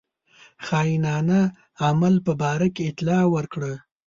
خاینانه عمل په باره کې اطلاع ورکړه.